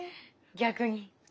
逆に。